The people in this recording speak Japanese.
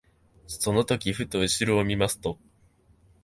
その時ふと後ろを見ますと、